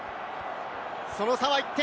その差は１点。